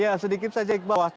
ya sedikit saja ikhbar